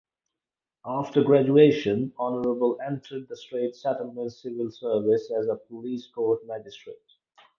After graduation, Honorable entered the Straits Settlements Civil Service as a Police Court Magistrate.